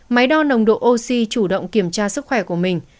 máy đo nồng độ oxy chủ động kiểm tra sức khỏe của mình